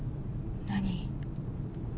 何？